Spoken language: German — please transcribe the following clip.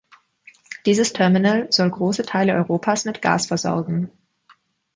Dieses Terminal soll große Teile Europas mit Gas versorgen.